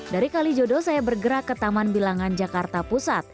dari kalijodo saya bergerak ke taman bilangan jakarta pusat